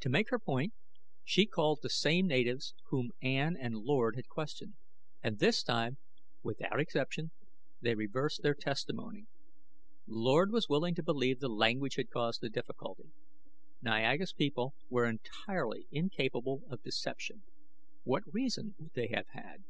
To make her point, she called the same natives whom Ann and Lord had questioned, and this time, without exception, they reversed their testimony. Lord was willing to believe the language had caused the difficulty. Niaga's people were entirely incapable of deception; what reason would they have had?